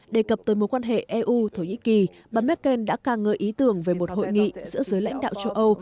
đề cập tới mối quan hệ eu thổ nhĩ kỳ bà merkel đã ca ngợi ý tưởng về một hội nghị giữa giới lãnh đạo châu âu